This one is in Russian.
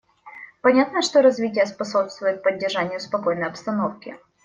Понятно, что развитие способствует поддержанию спокойной обстановки.